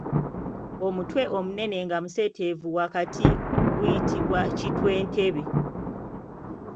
Omutwe omunene nga museeteevu wakati guyitibwa kitwentebe.